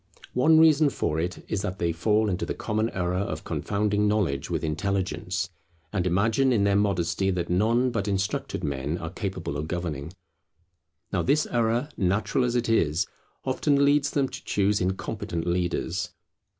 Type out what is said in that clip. One reason for it is that they fall into the common error of confounding knowledge with intelligence, and imagine in their modesty that none but instructed men are capable of governing. Now this error, natural as it is, often leads them to choose incompetent leaders.